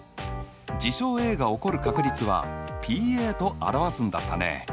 事象Ａが起こる確率はＰと表すんだったね。